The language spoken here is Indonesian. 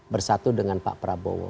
bersatu dengan pak prabowo